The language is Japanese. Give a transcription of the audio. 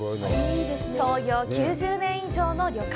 創業９０年以上の旅館。